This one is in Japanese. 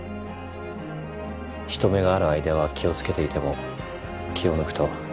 人目がある間は気を付けていても気を抜くと。